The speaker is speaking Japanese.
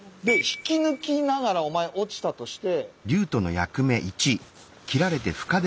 引き抜きながらお前落ちたとして。